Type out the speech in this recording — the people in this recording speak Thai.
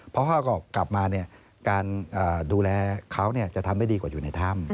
พ่อก็กลับมาการดูแลเขาจะทำได้ดีกว่าอยู่ในถ้ำ